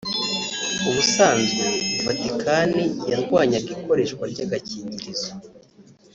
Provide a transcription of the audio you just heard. ubusanzwe Vatikani yarwanyaga ikoreshwa ry’agakingirizo